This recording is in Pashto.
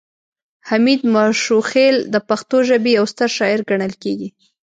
حمید ماشوخیل د پښتو ژبې یو ستر شاعر ګڼل کیږي